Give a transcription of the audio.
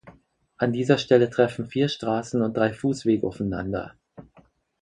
An dieser Stelle treffen vier Straßen und drei Fußwege aufeinander.